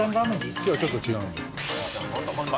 今日はちょっと違うね。